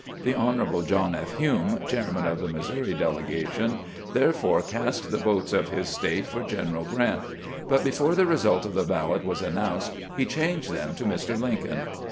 The Hon. John F. Hume, chairman of the Missouri delegation, therefore cast the votes of his State for General Grant ; but before the result of the ballot was announced he changed them to Mr, Lincoln.